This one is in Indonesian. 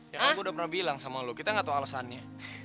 ya kan gua udah pernah bilang sama lu kita gak tau alesannya